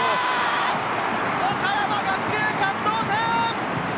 岡山学芸館同点！